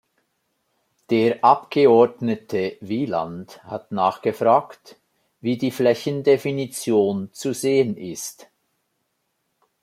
Der Abgeordnete Wieland hat nachgefragt, wie die Flächendefinition zu sehen ist?